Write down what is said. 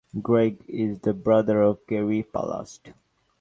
Greg is the brother of Geri Palast.